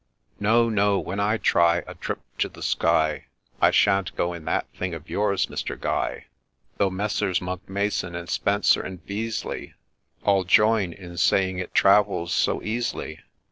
No, no ; when I try A trip to the sky, I shan't go in that thing of yours, Mr. Gye, Though Messieurs Monck Mason, and Spencer, and Beazly, All join in saying it travels so easily.